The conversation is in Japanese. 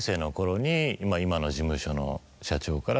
今の事務所の社長から。